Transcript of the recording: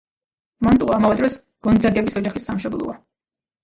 მანტუა ამავე დროს გონძაგების ოჯახის სამშობლოა.